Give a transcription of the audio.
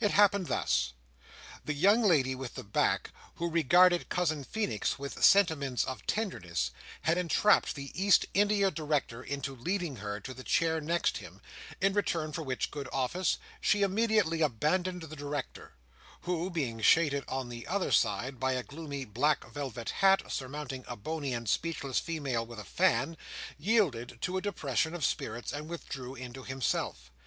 It happened thus. The young lady with the back, who regarded Cousin Feenix with sentiments of tenderness, had entrapped the East India Director into leading her to the chair next him; in return for which good office, she immediately abandoned the Director, who, being shaded on the other side by a gloomy black velvet hat surmounting a bony and speechless female with a fan, yielded to a depression of spirits and withdrew into himself.